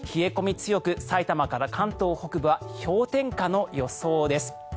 強く埼玉から関東北部は氷点下の予想です。